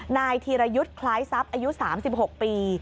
นายธีรยุทธ์คล้ายทรัพย์อายุ๓๖ปี